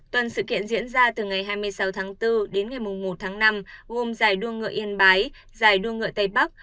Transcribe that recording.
tuần sự kiện diễn ra từ ngày hai mươi sáu tháng bốn đến ngày một tháng năm gồm giải đua ngựa yên bái giải đua ngựa tây bắc